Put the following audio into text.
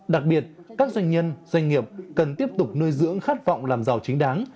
đặc biệt các doanh nhân doanh nghiệp cần tiếp tục nuôi dưỡng khát vọng làm giàu chính đáng